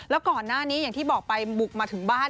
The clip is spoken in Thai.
แล้วก่อนหน้านี้อย่างที่บอกไปบุกมาถึงบ้าน